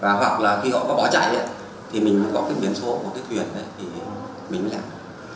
và hoặc là khi họ có bỏ chạy thì mình mới có cái biển số của cái thuyền đấy thì mình mới làm